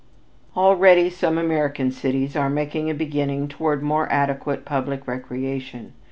Already some American cities are making a beginning toward more adequate public recreation.